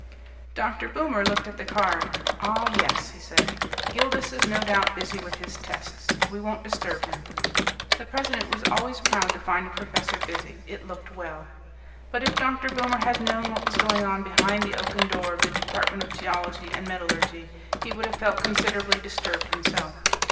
Dr. Boomer looked at the card. "Ah, yes," he said. "Gildas is no doubt busy with his tests. We won't disturb him." The president was always proud to find a professor busy; it looked well. But if Dr. Boomer had known what was going on behind the oaken door of the Department of Geology and Metallurgy, he would have felt considerably disturbed himself.